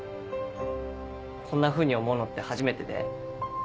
こんなふうに思うのって初めてで。